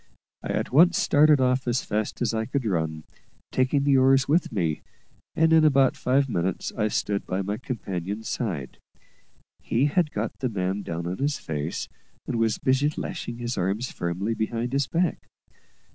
I at once started off as fast as I could run, taking the oars with me, and in about five minutes I stood by my companion's side. He had got the man down on his face, and was busy lashing his arms firmly behind his back.